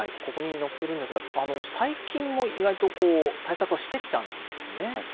ここに載ってるんですがあの最近も意外とこう対策はしてきたんですね。